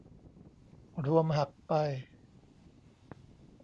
รวมหักไป